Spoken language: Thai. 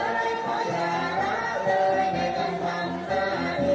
การทีลงเพลงสะดวกเพื่อความชุมภูมิของชาวไทยรักไทย